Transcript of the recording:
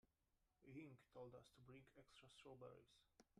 Ying told us to bring extra strawberries.